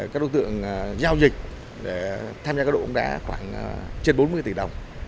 các đối tượng giao dịch tham gia cá độ uống đá khoảng trên bốn mươi tỷ đồng